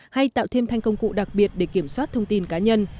hay tạo thêm thanh công cụ đặc biệt để kiểm soát thông tin cá nhân